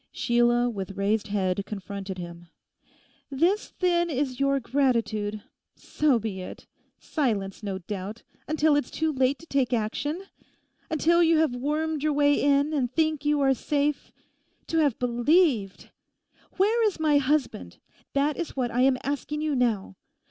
Sheila with raised head confronted him. 'This, then, is your gratitude. So be it. Silence, no doubt! Until it's too late to take action. Until you have wormed your way in, and think you are safe. To have believed! Where is my husband? that is what I am asking you now.